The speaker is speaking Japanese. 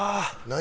何？